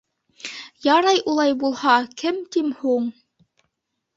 — Ярай улай булһа, кем тим һуң?